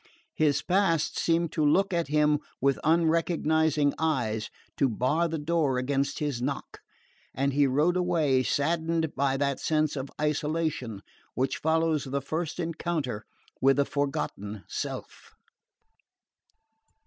His past seemed to look at him with unrecognising eyes, to bar the door against his knock; and he rode away saddened by that sense of isolation which follows the first encounter with a forgotten self.